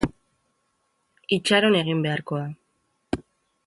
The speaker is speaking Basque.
Itxaron egin beharko da.